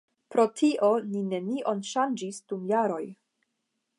Pro tio ni nenion ŝanĝis dum jaroj.